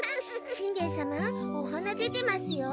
しんべヱ様おはな出てますよ。